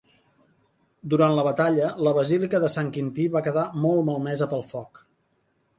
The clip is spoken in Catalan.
Durant la batalla, la Basílica de Sant Quintí va quedar molt malmesa pel foc.